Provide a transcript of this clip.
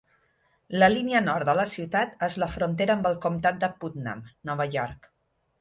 La línia nord de la ciutat és la frontera amb el comtat de Putnam, Nova York.